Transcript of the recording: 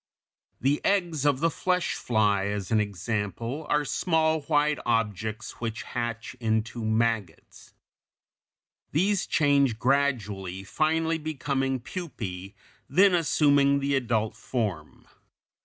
The eggs of the flesh fly, as an example (Fig. 221), are small, white objects which hatch into maggots. These change gradually, finally becoming pupæ, then assuming the adult form.